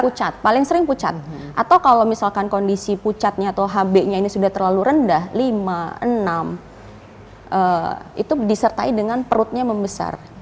pucat paling sering pucat atau kalau misalkan kondisi pucatnya atau hb nya ini sudah terlalu rendah lima enam itu disertai dengan perutnya membesar